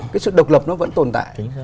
cái sự độc lập nó vẫn tồn tại